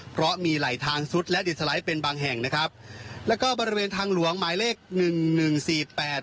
เพราะมีไหลทางซุดและดินสไลด์เป็นบางแห่งนะครับแล้วก็บริเวณทางหลวงหมายเลขหนึ่งหนึ่งสี่แปด